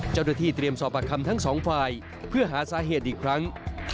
เจ้าหน้าที่เตรียมสอบปากคำทั้งสองฝ่ายเพื่อหาสาเหตุอีกครั้ง